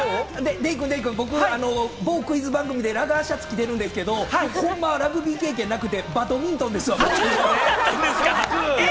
デイくん、僕、某クイズ番組でラガーシャツ着てるんですけど、ホンマはラグビー経験なくて、バドミントンなんです。